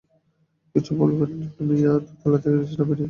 কিছু বলবেন মিয়া দোতলা থেকে নিচে নামেন নি।